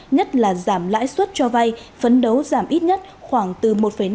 nhất là giảm lãi suất cho vay phấn đấu giảm ít nhất khoảng từ một năm